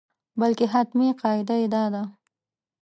بلکې حتمي قاعده یې دا ده.